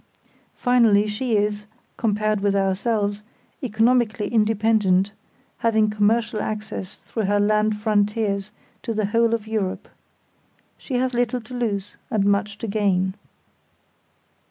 Finally, she is, compared with ourselves, economically independent, having commercial access through her land frontiers to the whole of Europe. She has little to lose and much to gain.